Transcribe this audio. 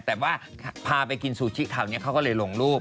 แต่ว่าพาไปกินซูชิคราวนี้เขาก็เลยลงรูป